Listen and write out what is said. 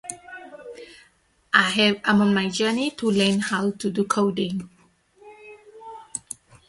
His flatmate at one time was actor Rufus Sewell.